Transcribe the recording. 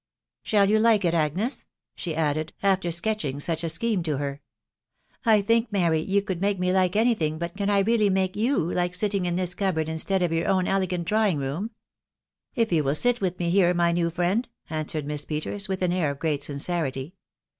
. I <( Shall you like it, Agnes ?" she added, after sketching sod I a scheme to her. I " I think, Mary, you could make me like anything •••. I but can I really make you like sitting in this cupboard; instad I of your own elegant drawing room ?" I " If you will sit with me here, my new friend, answered | Miss Peters, with an air of great sincerity.